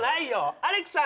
アレクさん